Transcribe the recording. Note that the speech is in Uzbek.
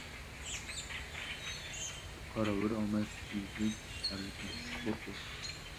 • Qo‘rquv — omadsizlik kaliti.